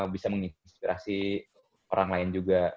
bisa menginspirasi orang lain juga